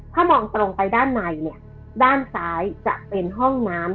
ถ้ามองตรงไปด้านในเนี่ยด้านซ้ายจะเป็นห้องน้ำ